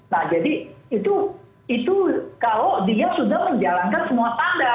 nah jadi itu kalau dia sudah menjalankan semua tanda iso dua puluh tujuh ribu satu